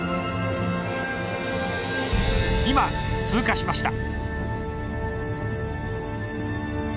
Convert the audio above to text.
今通過しました